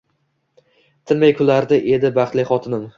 Tinmay kular edi baxtli xotinim…